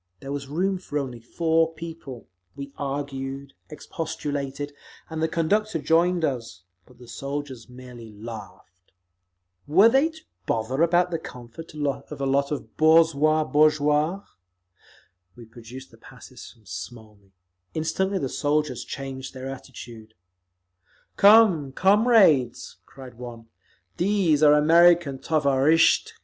There was room for only four people; we argued, expostulated, and the conductor joined us—but the soldiers merely laughed. Were they to bother about the comfort of a lot of boorzhui (bourgeois)? We produced the passes from Smolny; instantly the soldiers changed their attitude. "Come, comrades," cried one, "these are American _tovarishtchi.